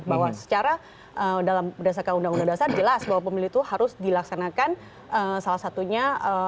bahwa secara dalam berdasarkan undang undang dasar jelas bahwa pemilih itu harus dilaksanakan salah satunya